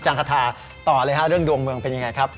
จังฆฐาต่อเลยครับเรื่องดวงเมืองเป็นยังไงครับ